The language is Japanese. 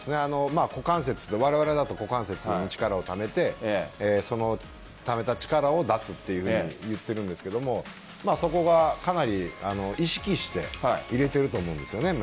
股関節、われわれだと股関節に力をためてためた力を出すというふうに言っているんですがそこをかなり意識して入れていると思うんです。